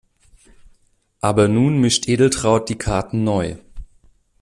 Aber nun mischt Edeltraud die Karten neu.